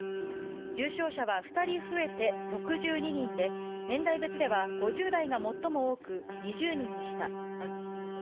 重症者は２人増えて６２人で、年代別では５０代が最も多く２０人でした。